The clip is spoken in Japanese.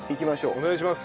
お願いします。